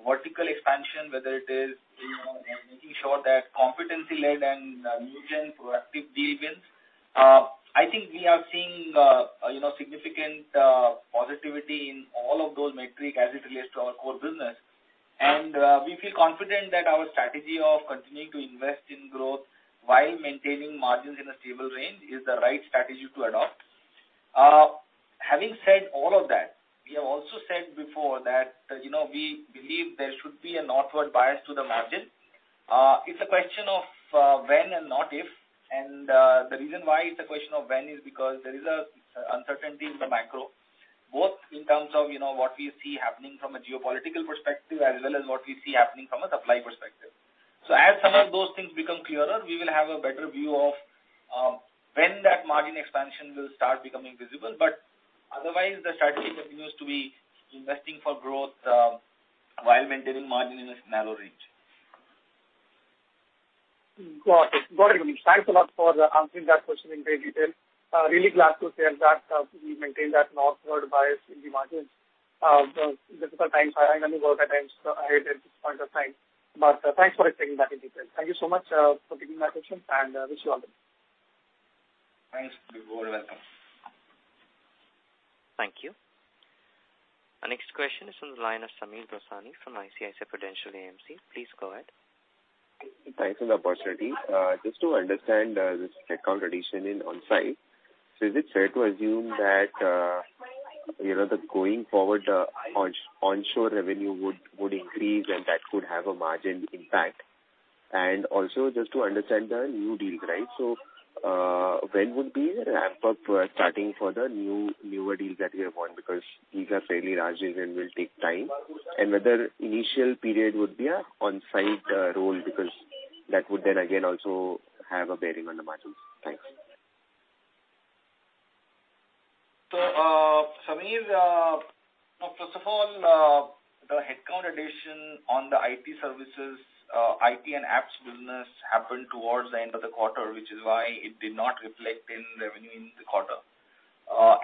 vertical expansion, whether it is, you know, ensure that competency-led and mutual proactive deals. I think we are seeing, you know, significant positivity in all of those metrics as it relates to our core business. We feel confident that our strategy of continuing to invest in growth while maintaining margins in a stable range is the right strategy to adopt. Having said all of that, we have also said before that, you know, we believe there should be a northward bias to the margin. It's a question of when and not if. The reason why it's a question of when is because there is an uncertainty in the macro, both in terms of, you know, what we see happening from a geopolitical perspective, as well as what we see happening from a supply perspective. As some of those things become clearer, we will have a better view of when that margin expansion will start becoming visible. Otherwise, the strategy continues to be investing for growth while maintaining margin in a narrow range. Got it. Thanks a lot for answering that question in great detail. Really glad to hear that we maintain that northward bias in the margins. Difficult times are behind us now at this point of time. Thanks for explaining that in detail. Thank you so much for taking my questions and wish you all the best. Thanks, Vibhor. Welcome. Thank you. Our next question is from the line of Sameer Dosani from ICICI Prudential AMC. Please go ahead. Thanks for the opportunity. Just to understand, this headcount addition in on-site. Is it fair to assume that, you know, that going forward, onshore revenue would increase and that could have a margin impact? Also just to understand the new deals, right? When would be the ramp-up starting for the newer deals that we have won? Because these are fairly large deals and will take time. Whether initial period would be an on-site role, because that would then again also have a bearing on the margins. Thanks. Sameer, first of all, the headcount addition on the IT services, IT and apps business happened towards the end of the quarter, which is why it did not reflect in revenue in the quarter.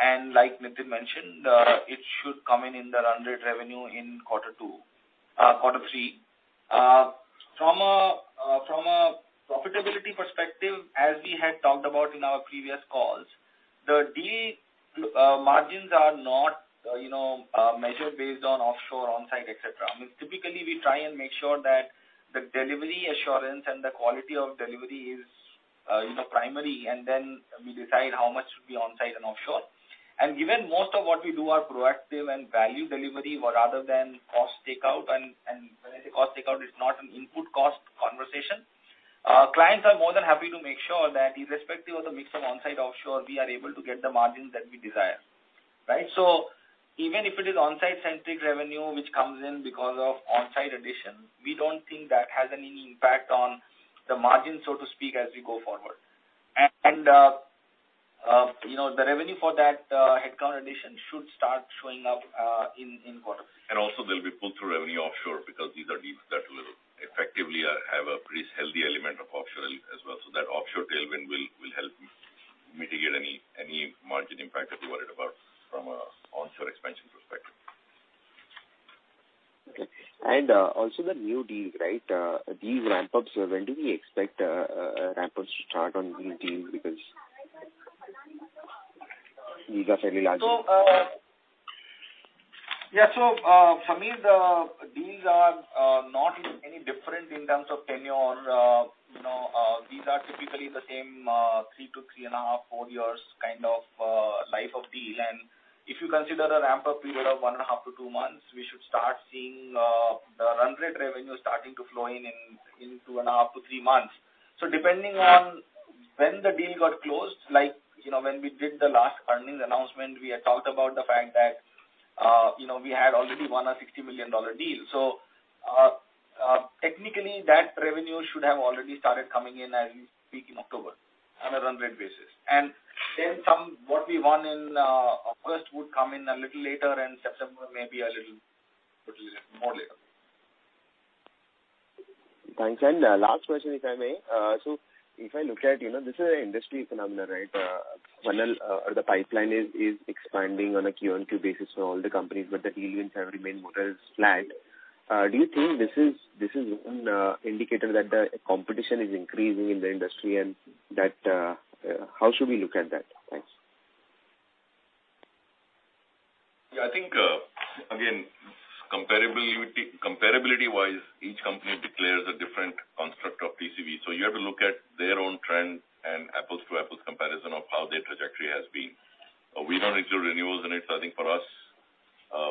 And like Nitin mentioned, it should come in in the run rate revenue in quarter two, quarter three. From a profitability perspective, as we had talked about in our previous calls, the deal margins are not, you know, measured based on offshore, on-site, etc. I mean, typically we try and make sure that the delivery assurance and the quality of delivery is, you know, primary and then we decide how much should be on-site and offshore. Given most of what we do are proactive and value delivery rather than cost takeout, and when I say cost takeout, it's not an input cost conversation. Clients are more than happy to make sure that irrespective of the mix of on-site, offshore, we are able to get the margins that we desire, right? Even if it is on-site-centric revenue which comes in because of on-site addition, we don't think that has any impact on the margin, so to speak, as we go forward. You know, the revenue for that headcount addition should start showing up in quarter three. Also they'll be pulled through revenue offshore because these are deals that will effectively have a pretty healthy element of offshore as well. That offshore tailwind will help mitigate any margin impact that we worried about from an onshore expansion perspective. Okay. Also the new deals, right? These ramp-ups, when do we expect ramp-ups to start on these deals because these are fairly large? Sameer, the deals are not any different in terms of tenure. You know, these are typically the same three to 3.5, four years kind of life of deal. If you consider a ramp-up period of 1.5 to two months, we should start seeing the run rate revenue starting to flow in 2.5 to three months. Depending on when the deal got closed, like, you know, when we did the last earnings announcement, we had talked about the fact that, you know, we had already won a $60 million deal. Technically that revenue should have already started coming in as we speak in October on a run rate basis. Some what we won in August would come in a little later and September maybe a little more later. Thanks. Last question, if I may. So if I look at, you know, this is an industry phenomenon, right? Funnel or the pipeline is expanding on a Q-on-Q basis for all the companies, but the deal wins have remained more or less flat. Do you think this is an indicator that the competition is increasing in the industry and, how should we look at that? Thanks. Yeah. I think, again, comparability-wise, each company declares a different construct of TCV. You have to look at their own trend and apples-to-apples comparison of how their trajectory has been. We don't issue renewals and it's, I think for us,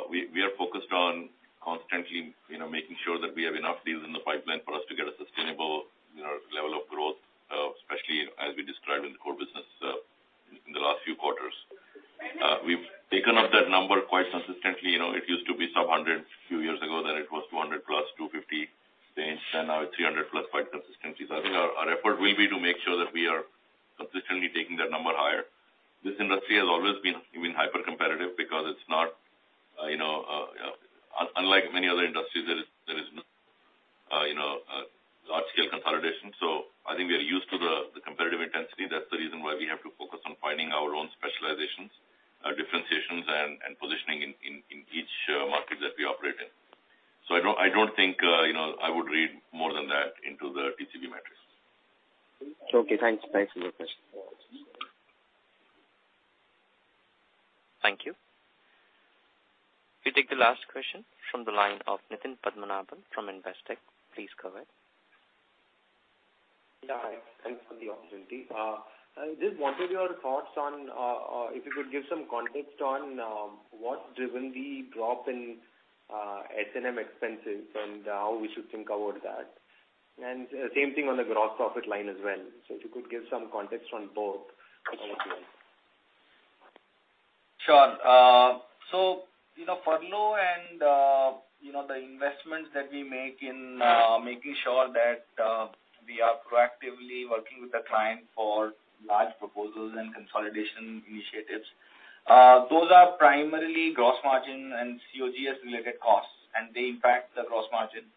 we are focused on constantly, you know, making sure that we have enough deals in the pipeline for us to get a sustainable, you know, level of growth, especially as we described in the core business, in the last few quarters. We've taken up that number quite consistently. You know, it used to be sub 100 a few years ago, then it was 200 plus, 250 range, and now it's 300 plus quite consistently. I think our effort will be to make sure that we are consistently taking that number higher. This industry has always been, I mean, hyper-competitive because it's not, you know, unlike many other industries, there is no, you know, large-scale consolidation. See, that's the reason why we have to focus on finding our own specializations, differentiations and positioning in each market that we operate in. I don't think, you know, I would read more than that into the TCV metrics. It's okay. Thanks. Thanks for your question. Thank you. We take the last question from the line of Nitin Padmanabhan from Investec. Please go ahead. Yeah. Thanks for the opportunity. I just wanted your thoughts on if you could give some context on what driven the drop in S&M expenses and how we should think about that. Same thing on the gross profit line as well. If you could give some context on both. Sure. You know, furlough and, you know, the investments that we make in, making sure that, we are proactively working with the client for large proposals and consolidation initiatives, those are primarily gross margin and COGS-related costs, and they impact the gross margin.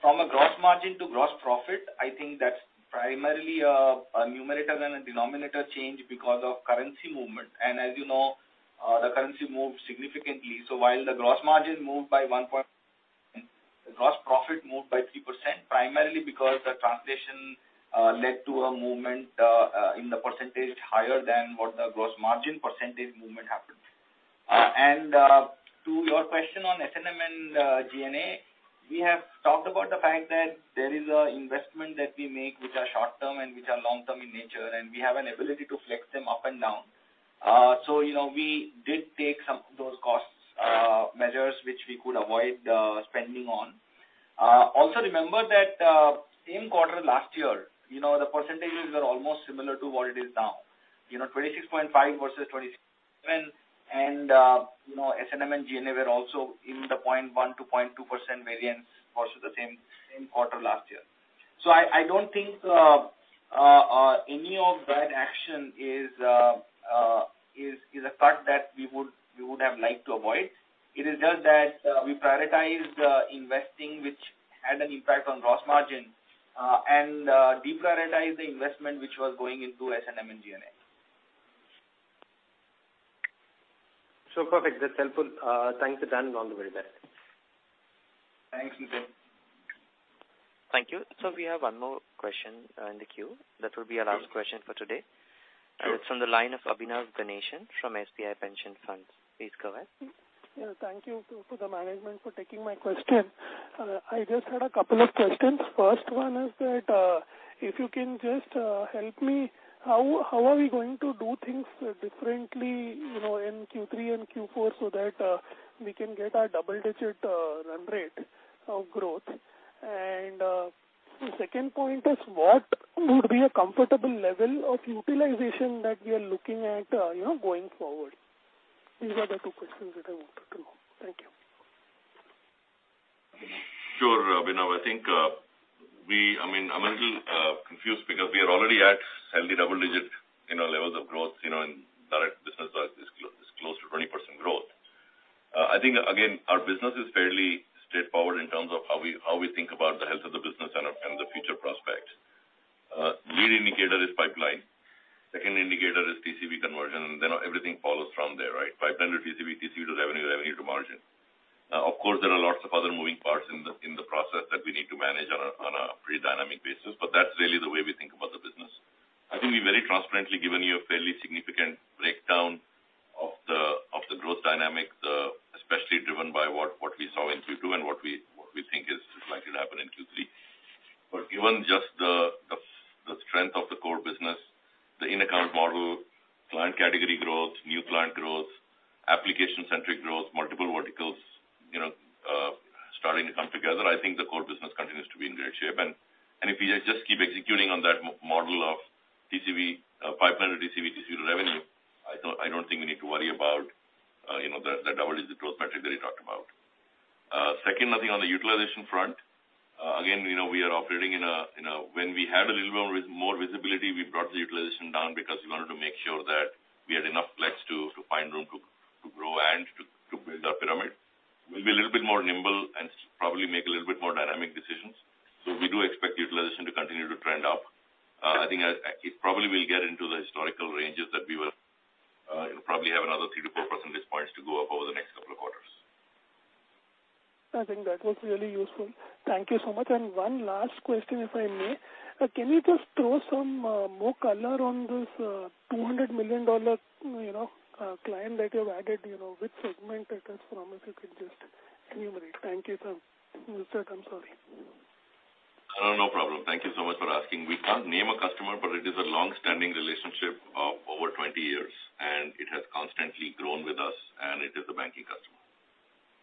From a gross margin to gross profit, I think that's primarily a numerator and a denominator change because of currency movement. As you know, the currency moved significantly. While the gross margin moved by one point, the gross profit moved by 3%, primarily because the translation led to a movement in the percentage higher than what the gross margin percentage movement happened. To your question on S&M and G&A, we have talked about the fact that there is a investment that we make, which are short-term and which are long-term in nature, and we have an ability to flex them up and down. You know, we did take some of those costs, measures which we could avoid, spending on. Also remember that, same quarter last year, you know, the percentages were almost similar to what it is now. You know, 26.5% versus 27%. You know, S&M and G&A were also in the 0.1%-0.2% variance versus the same quarter last year. I don't think any of that action is a fact that we would have liked to avoid. It is just that, we prioritized investing, which had an impact on gross margin, and deprioritized the investment which was going into S&M and G&A. Perfect. That's helpful. Thanks, Aman, and all the very best. Thanks, Nitin. Thank you. So we have one more question in the queue. That will be our last question for today. It's from the line of Abhinav Ganeshan from SBI Pension Funds. Please go ahead. Yeah, thank you to the management for taking my question. I just had a couple of questions. First one is that, if you can just help me, how are we going to do things differently, you know, in Q3 and Q4 so that we can get our double-digit run rate of growth? The second point is what would be a comfortable level of utilization that we are looking at, you know, going forward? These are the two questions that I wanted to know. Thank you. Sure, Abhinav. I think, I mean, I'm a little confused because we are already at slightly double-digit, you know, levels of growth. You know, in direct business it's close to 20% growth. I think again, our business is fairly straightforward in terms of how we think about the health of the business and the future prospects. Lead indicator is pipeline. Second indicator is TCV conversion. Then everything follows from there, right? Pipeline to TCV to revenue to margin. Of course, there are lots of other moving parts in the process that we need to manage on a pretty dynamic basis, but that's really the way we think about the business. I think we've very transparently given you a fairly significant breakdown of the growth dynamics, especially driven by what we saw in Q2 and what we think is likely to happen in Q3. Given just the strength of the core business, the in-account model, client category growth, new client growth, application-centric growth, multiple verticals, you know, starting to come together, I think the core business continues to be in great shape. If we just keep executing on that model of TCV, pipeline to TCV, TCV to revenue, I don't think we need to worry about, you know, the double-digit growth metric that he talked about. Second, I think on the utilization front, again, you know, we are operating in a. When we had a little more visibility, we brought the utilization down because we wanted to make sure that we had enough flex to find room to grow and to build our pyramid. We'll be a little bit more nimble and probably make a little bit more dynamic decisions. We do expect utilization to continue to trend up. I think it probably will get into the historical ranges that we were, probably have another 3-4 percentage points to go up over the next couple of quarters. I think that was really useful. Thank you so much. One last question, if I may. Can you just throw some more color on this $200 million client that you've added, you know, which segment it is from, if you could just enumerate? Thank you, sir. Nitin, I'm sorry. No problem. Thank you so much for asking. We can't name a customer, but it is a long-standing relationship of over 20 years, and it has constantly grown with us, and it is a banking customer.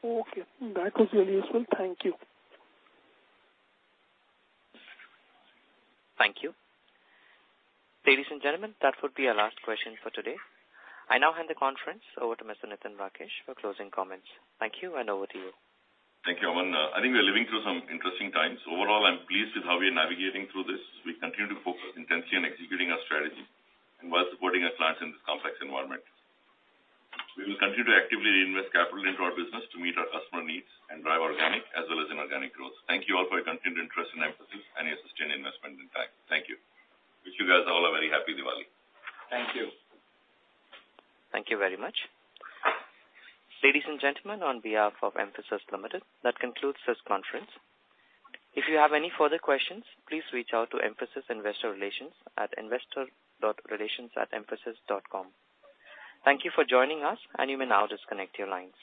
Okay. That was really useful. Thank you. Thank you. Ladies and gentlemen, that would be our last question for today. I now hand the conference over to Mr. Nitin Rakesh for closing comments. Thank you, and over to you. Thank you, Aman. I think we are living through some interesting times. Overall, I'm pleased with how we are navigating through this. We continue to focus intensely on executing our strategy and while supporting our clients in this complex environment. We will continue to actively invest capital into our business to meet our customer needs and drive organic as well as inorganic growth. Thank you all for your continued interest in Mphasis and your sustained investment and time. Thank you. Wish you guys all a very happy Diwali. Thank you. Thank you very much. Ladies and gentlemen, on behalf of Mphasis Limited, that concludes this conference. If you have any further questions, please reach out to Mphasis Investor Relations at investor.relations@mphasis.com. Thank you for joining us, and you may now disconnect your lines.